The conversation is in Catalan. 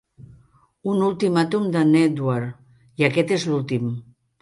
Un ultimàtum d'en Edward i aquest és l'últim!